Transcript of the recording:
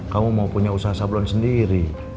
kamu mau punya usaha sablon sendiri